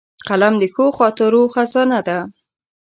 قلم د ښو خاطرو خزانه ده